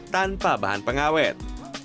tanpa bahan pengawet